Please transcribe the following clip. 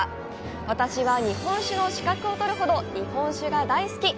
私は、日本酒の資格を取るほど、日本酒が大好き！